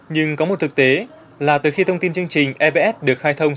nhưng có một thực tế là từ khi thông tin chương trình evs được khai thông